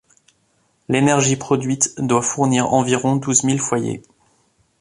L'énergie produite doit fournir environs douze mille foyers.